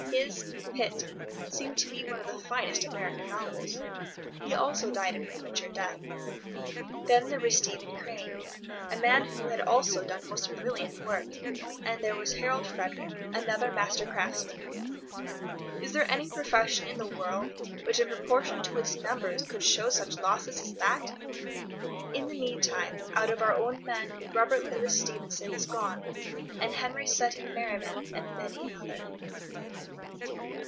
His "Pit" seemed to me one of the finest American novels. He also died a premature death. Then there was Stephen Crane—a man who had also done most brilliant work, and there was Harold Frederic, another master craftsman. Is there any profession in the world which in proportion to its numbers could show such losses as that? In the meantime, out of our own men Robert Louis Stevenson is gone, and Henry Seton Merriman, and many another.